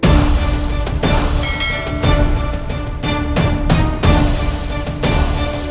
segera kembali bawa ke kusaka